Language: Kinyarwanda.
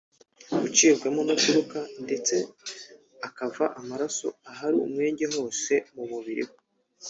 gucibwamo no kuruka ndetse akava amaraso ahari umwenge hose ku mubiri we